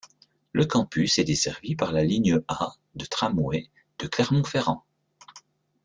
Le campus est desservi par la ligne A de Tramway de Clermont-Ferrand.